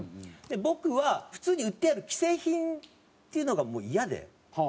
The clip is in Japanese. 僕は普通に売ってある既製品っていうのが嫌で。